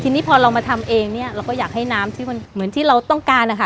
ทีนี้พอเรามาทำเองเนี่ยเราก็อยากให้น้ำที่มันเหมือนที่เราต้องการนะคะ